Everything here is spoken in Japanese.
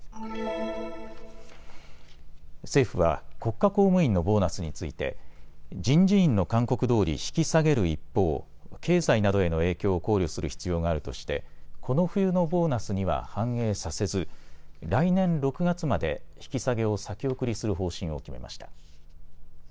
政府は国家公務員のボーナスについて人事院の勧告どおり引き下げる一方、経済などへの影響を考慮する必要があるとしてこの冬のボーナスには反映させず来年６月まで引き下げを先送りする方針を決めました。